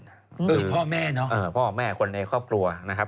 ก็มีพ่อแม่เนอะพ่อแม่คนในครอบครัวนะครับ